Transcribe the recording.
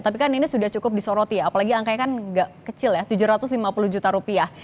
tapi kan ini sudah cukup disoroti ya apalagi angkanya kan nggak kecil ya tujuh ratus lima puluh juta rupiah